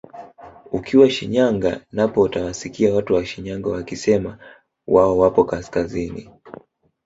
Ukiwa Shinyanga napo utawasikia watu wa Shinyanga wakisema wao wapo kaskazini